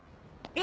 え。